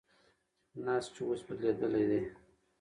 نسج اوس بدلېدلی دی.